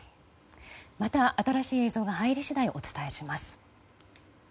また新しい映像が入り次第お伝えします。